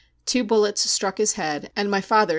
Two bullets struck his head, and my father.